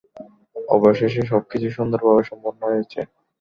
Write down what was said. অবশেষে, সবকিছু সুন্দর ভাবে সম্পন্ন হয়েছে।